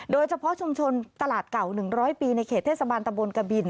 โดยเฉพาะชุมชนตลาดเก่า๑๐๐ปีในเขตเทศบาลตะบนกะบิน